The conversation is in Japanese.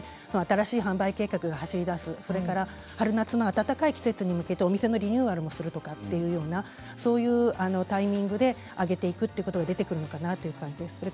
新しい販売計画が走りだす春夏の暖かい季節に向けてお店もリニューアルなどもするというようなそういうタイミングで上げていくということが出てくるかなという感じです。